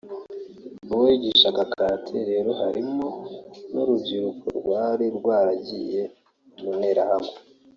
Mu bo yigishaga karate rero harimo n’urubyiruko rwari rwaragiye mu nterahamwe